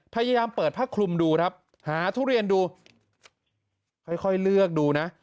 พยายามเปิดผ้าคลุมดูครับหาทุเรียนดูค่อยเลือกดูนะ